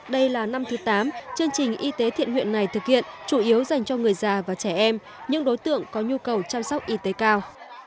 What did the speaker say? đây là năm thứ tám chương trình y tế thiện nguyện này thực hiện chủ yếu dành cho người già và trẻ em những đối tượng có nhu cầu chăm sóc y tế cao